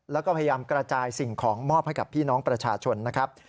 แล้วก็พยายามกระจายสิ่งของมอบให้กับพี่น้องประชาชนนะครับ